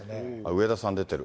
上田さん、出てる。